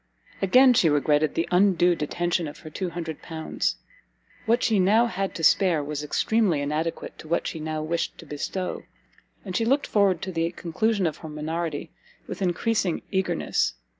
Again she regretted the undue detention of her L200. What she now had to spare was extremely inadequate to what she now wished to bestow, and she looked forward to the conclusion of her minority with encreasing eagerness.